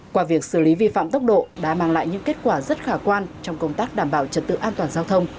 qua việc xử lý vi phạm tốc độ đã mang lại những kết quả rất khả quan trong công tác đảm bảo trật tự an toàn giao thông